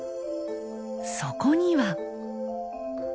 そこには。